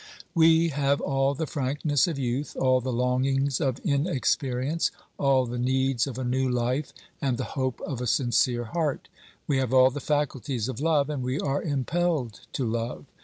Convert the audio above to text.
We have all the frankness of youth, all the longings of inexperience, all the needs of a new life, and the hope of a sincere heart. We have all the faculties of love and we are impelled to love.